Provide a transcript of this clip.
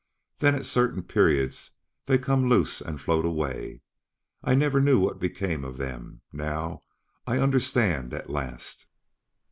Then at a certain period they come loose and float away. I never knew what became of them; now I understand at last."